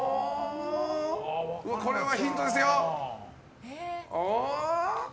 これはヒントですよ。